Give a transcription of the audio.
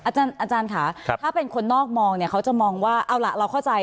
อาจารย์ค่ะถ้าเป็นคนนอกมองเนี่ยเขาจะมองว่าเอาล่ะเราเข้าใจ